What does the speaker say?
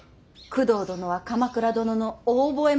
工藤殿は鎌倉殿のお覚え